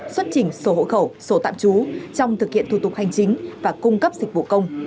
phát triển số hộ khẩu số tạm trú trong thực hiện thủ tục hành chính và cung cấp dịch vụ công